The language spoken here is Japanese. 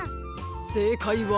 せいかいは。